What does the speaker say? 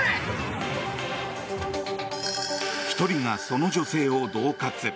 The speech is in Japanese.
１人がその女性をどう喝。